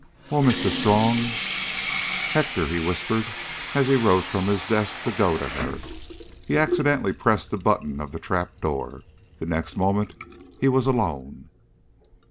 "Oh, Mr. Strong " "Hector," he whispered. As he rose from his desk to go to her, he accidentally pressed the button of the trap door. The next moment he was alone.